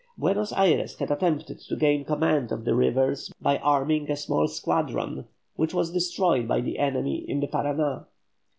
Buenos Ayres had attempted to gain command of the rivers by arming a small squadron, which was destroyed by the enemy in the Paraná.